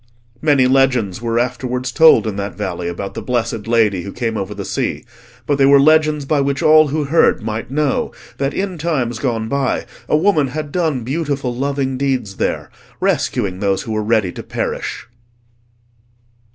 Many legends were afterwards told in that valley about the blessed Lady who came over the sea, but they were legends by which all who heard might know that in times gone by a woman had done beautiful loving deeds there, rescuing those who were ready to perish.